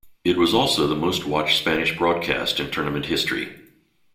It was also the most watched Spanish-language broadcast in tournament history.